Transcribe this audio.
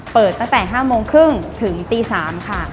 เปิดตั้งแต่๕โมงครึ่งถึงตี๓ค่ะ